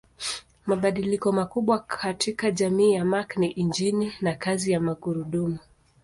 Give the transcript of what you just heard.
Mabadiliko makubwa katika jamii ya Mark ni injini na kazi ya magurudumu.